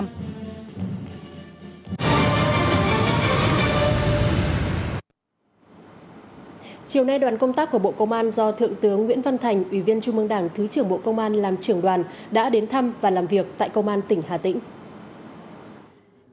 đảng ủy công an trung ương và bộ công an do thượng tướng nguyễn văn thành ủy viên trung mương đảng thứ trưởng bộ công an làm trưởng đoàn đã đến thăm và làm việc tại công an tỉnh hà tĩnh